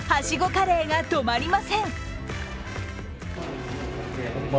カレーが止まりません。